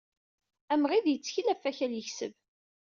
Amɣid yettkel ɣef wakal yekseb.